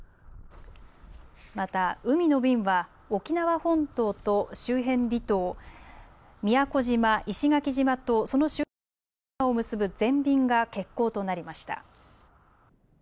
また海の便は沖縄本島と周辺離島、宮古島・石垣島とその周辺の島々を結ぶ全便が欠航となりました。